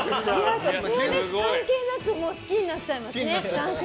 性別関係なく好きになっちゃいますね